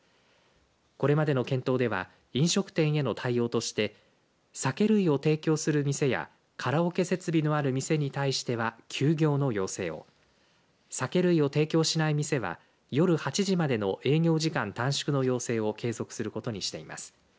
これまでの検討では飲食店への対応として酒類を提供する店やカラオケ設備のある店に対しては休業の要請を酒類を提供しない店は夜８時までの営業時間短縮の要請を継続することにしています。